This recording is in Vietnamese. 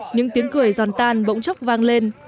những tiếng cười giòn tan bỗng chốc vang lên